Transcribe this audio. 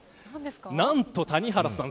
何と谷原さん